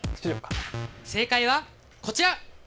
正解はこちら！